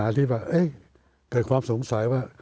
มันก็เลยเป็นปัญหาปัญหาที่เกิดความสงสัยว่า